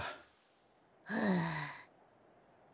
はあ。